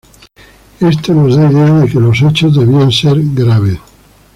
Esto nos da idea de que los hechos debían ser graves.